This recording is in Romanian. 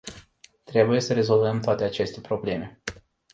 Trebuie să rezolvăm toate aceste probleme.